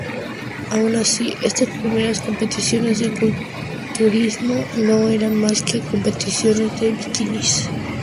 Aun así, estas primeras competiciones de "culturismo" no eran más que competiciones de bikinis.